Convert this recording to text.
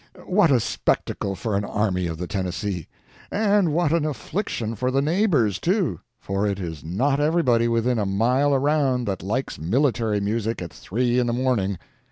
What a spectacle for an Army of the Tennessee! And what an affliction for the neighbors, too; for it is not everybody within a mile around that likes military music at three in the morning.